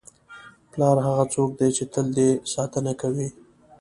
پلار هغه څوک دی چې تل دې ساتنه کوي.